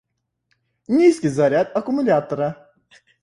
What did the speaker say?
Низкий заряд аккумулятора